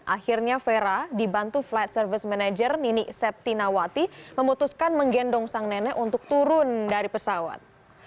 akhirnya vera dibantu flight service manager nini septinawati memutuskan menggendong sang nenek untuk turun dari pesawat